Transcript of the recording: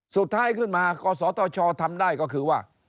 สุดท้ายขึ้นมากศตชทำได้ก็คือว่า